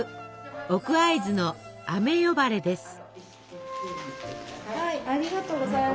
奥会津の「あめ呼ばれ」です。